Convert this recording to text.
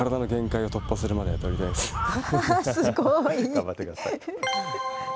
頑張ってください。